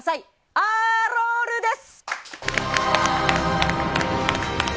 アーロールです！